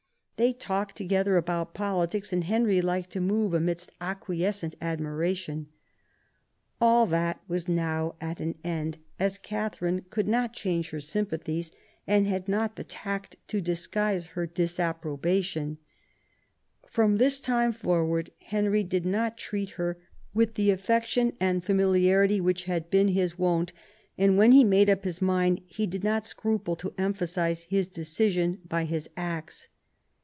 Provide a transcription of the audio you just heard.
They talked together about politics, and Henry liked to move amidst acquiescent admiration. All that was now at an end, as Katharine could not change her sympathies, and had not the tact to disguise her disapprobation From this time forward Henry did not treat her with the affection and familiarity which had been his wont, and when he made up his mind he did not scruple to emphasise his decision by his acts.